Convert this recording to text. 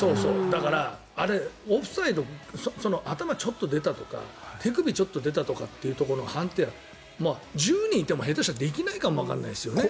だからあれオフサイド頭ちょっと出たとか手首ちょっと出たという判定は１０人いても、下手したらできないかもしれないですよね。